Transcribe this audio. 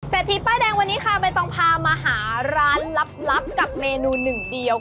ทีป้ายแดงวันนี้ค่ะใบตองพามาหาร้านลับกับเมนูหนึ่งเดียว